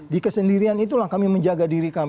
di kesendirian itulah kami menjaga diri kami